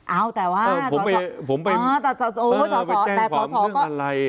เอ้าแต่ว่าผมไปแจ้งความเรื่องอะไร